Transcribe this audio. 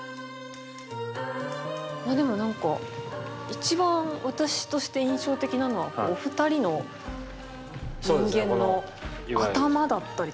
あでもなんか一番私として印象的なのはお二人の人間の頭だったりとか。